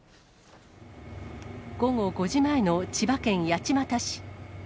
午後５時前の千葉県八街市。